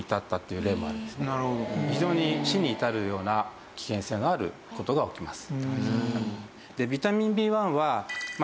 非常に死に至るような危険性のある事が起きます。